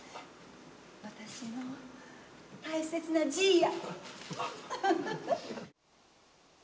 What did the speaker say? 私の大切なじいや。